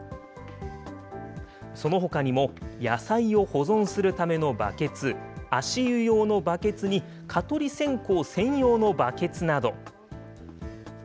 そのほかにも野菜を保存するためのバケツ、足湯用のバケツに、蚊取り線香専用のバケツなど。